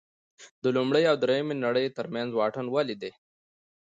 د لومړۍ او درېیمې نړۍ ترمنځ واټن ولې دی.